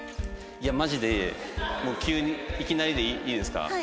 いやマジで急にいきなりでいいですか？